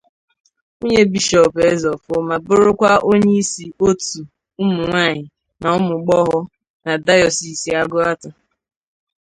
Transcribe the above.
nwunye Bishọọpụ Ezeofor ma bụrụkwa onyeisi òtù ụmụnwaanyị na ụmụgbọghọ na dayọsiisi Agụata